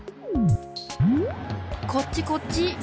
こっちこっち！